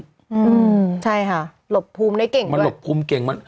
อือใช่ค่ะหลบพลุมได้เก่งด้วยมันหลบพลุมเก่ง